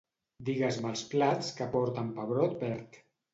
Digues-me els plats que porten pebrot verd.